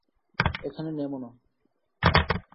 এখানে নেমো না।